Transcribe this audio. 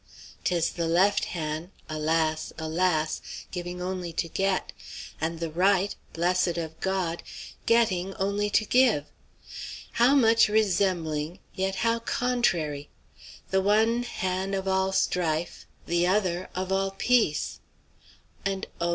'Tis the left han' alas, alas! giving only to get; and the right, blessed of God, getting only to give! How much resem'ling, yet how con_tra_ry! The one han' of all strife; the other of all peace. And oh!